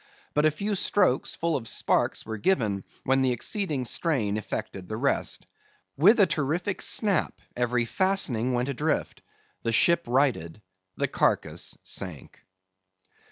But a few strokes, full of sparks, were given, when the exceeding strain effected the rest. With a terrific snap, every fastening went adrift; the ship righted, the carcase sank.